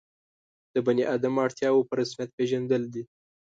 د بني آدم اړتیاوو په رسمیت پېژندل ده.